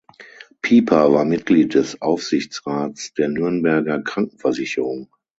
Pieper war Mitglied des Aufsichtsrats der Nürnberger Krankenversicherung.